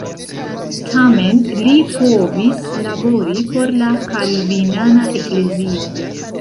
Tamen li povis labori por la kalvinana eklezio.